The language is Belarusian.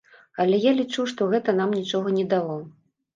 Але я лічу што гэта нам нічога не дало.